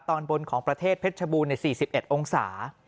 ตอนบนของประเทศเพชรชบูร๔๑องศา